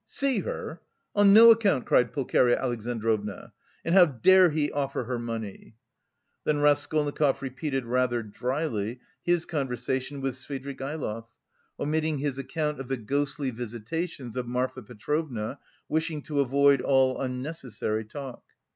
"See her! On no account!" cried Pulcheria Alexandrovna. "And how dare he offer her money!" Then Raskolnikov repeated (rather dryly) his conversation with Svidrigaïlov, omitting his account of the ghostly visitations of Marfa Petrovna, wishing to avoid all unnecessary talk.